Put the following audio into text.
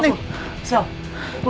maik maik maik